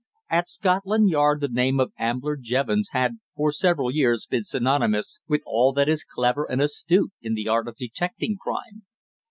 At Scotland Yard the name of Ambler Jevons had for several years been synonymous with all that is clever and astute in the art of detecting crime.